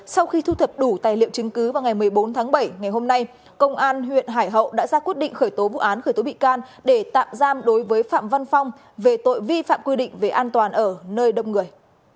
sau khi thu thập đủ tài liệu chứng cứ vào ngày một mươi bốn tháng bảy ngày hôm nay công an huyện hải hậu đã ra quyết định khởi tố vụ án khởi tố bị can để tạm giam đối với phạm văn phong về tội vi phạm quy định về an toàn ở nơi đông người